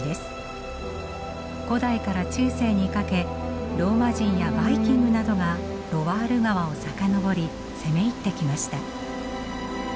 古代から中世にかけローマ人やバイキングなどがロワール川を遡り攻め入ってきました。